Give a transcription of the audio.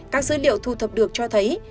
các dữ liệu thu thập được cho thấy